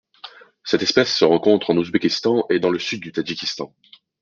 Cette espèce se rencontre en Ouzbékistan et dans le sud du Tadjikistan.